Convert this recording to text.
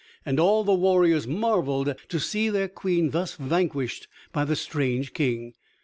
And all the warriors marveled to see their Queen thus vanquished by the strange King.